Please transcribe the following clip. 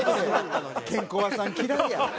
「ケンコバさん嫌いや」。